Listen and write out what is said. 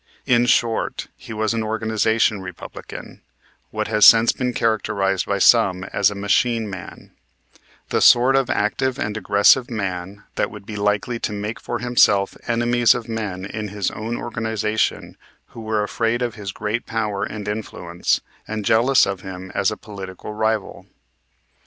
In short, he was an organization Republican, what has since been characterized by some as a machine man, the sort of active and aggressive man that would be likely to make for himself enemies of men in his own organization who were afraid of his great power and influence, and jealous of him as a political rival.